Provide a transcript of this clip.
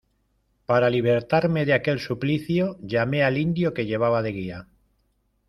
para libertarme de aquel suplicio, llamé al indio que llevaba de guía.